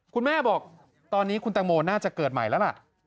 คุณแม่บอกตอนนี้คุณตังโมน่าจะเกิดใหม่แล้วล่ะ